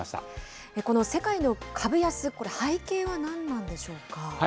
この世界の株安、これ、背景は何なんでしょうか。